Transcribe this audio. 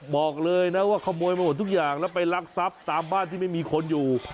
บอกเลยนะว่าขโมยมาหมดทุกอย่างแล้วไปรักทรัพย์ตามบ้านที่ไม่มีคนอยู่